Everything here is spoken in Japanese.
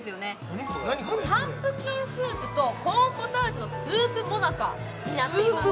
パンプキンスープとコーンポタージュのスープもなかになっています